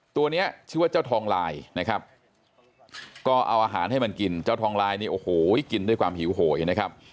ตัวนี้ชื่อว่าเจ้าทองลายนะครับก็เอาอาหารให้มันกินเจ้าทองลายนี่โอ้โหกินด้วยความหิวโหยนะครับ